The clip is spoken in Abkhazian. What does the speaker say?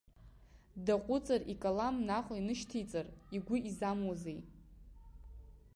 Даҟәыҵыр, икалам наҟ инышьҭеиҵар игәы изамуазеи?